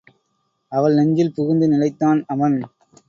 அவள் நெஞ்சில் புகுந்து நிலைத்தான் அவன்.